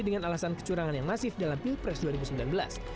dengan alasan kecurangan yang masif dalam pilpres dua ribu sembilan belas